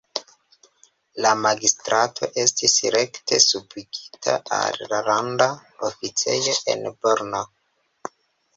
La magistrato estis rekte subigita al la landa oficejo en Brno.